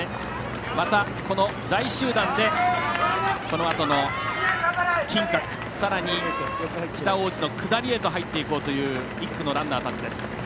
また、大集団でこのあとの金閣寺さらに、北大路の下りに入っていく１区のランナーたちです。